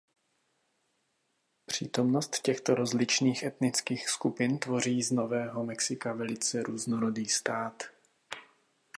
Přítomnost těchto rozličných etnických skupin tvoří z Nového Mexika velice různorodý stát.